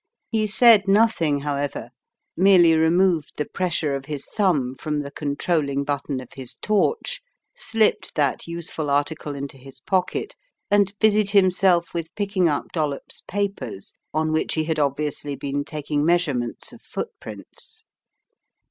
He said nothing, however, merely removed the pressure of his thumb from the controlling button of his torch, slipped that useful article into his pocket, and busied himself with picking up Dollops' papers on which he had obviously been taking measurements of footprints.